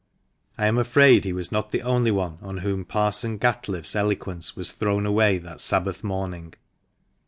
I am afraid he was not the only one on whom Parson Gatliffe's eloquence was thrown away that Sabbath morning.